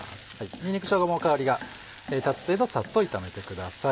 にんにくしょうがも香りが立つ程度サッと炒めてください。